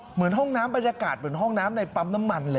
เหมือนห้องน้ำบรรยากาศเหมือนห้องน้ำในปั๊มน้ำมันเลย